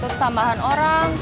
butuh tambahan orang